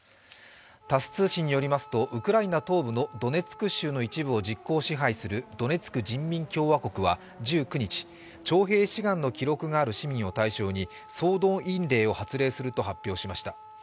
タス通信によりますとウクライナ東部のドネツク州の一部を実効支配するドネツク人民共和国は１９日、徴兵志願の記録がある市民を対象に、総動員令を発令すると発表しました。